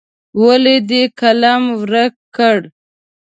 ولې دې قلم ورک کړ.